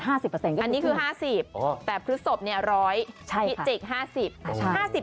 อันนี้คือ๕๐แต่พิจิก๑๐๐พิจิก๕๐